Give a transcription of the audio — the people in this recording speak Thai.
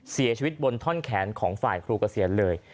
เสียชีวิตบนท่อนแขนของฝ่ายครูเกษียณเลย